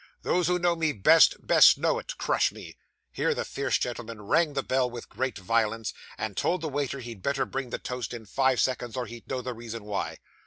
Those who know me best, best know it; crush me!' Here the fierce gentleman rang the bell with great violence, and told the waiter he'd better bring the toast in five seconds, or he'd know the reason why.